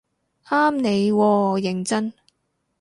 啱你喎認真